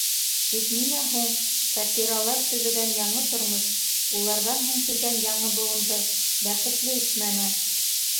Тик ниңә һуң Шакиралар төҙөгән яңы тормош уларҙан һуң килгән яңы быуынды бәхетле итмәне?